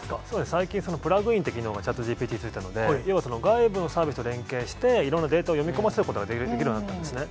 最近、プラグインっていう機能がチャットＧＰＴについたので、要は外部のサービスと連携していろんなデータを読み込ませることができるようになったんですね。